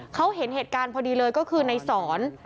เขาเห็นเหตุการณ์พอดีเลยก็คือในสอน